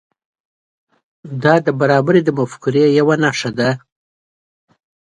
دا د برابري د مفکورې یو نښه ده.